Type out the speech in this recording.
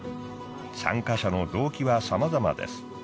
参加者の動機はさまざまです。